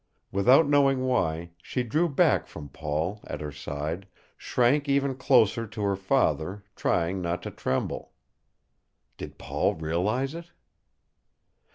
Without knowing why, she drew back from Paul, at her side, shrank even closer to her father, trying not to tremble. Did Paul realize it?